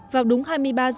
vào đúng hai mươi ba h